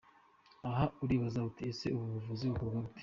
Aha uribaza uti ese ubu buvuzi bukorwa bute?.